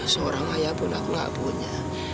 seorang ayah pun aku gak punya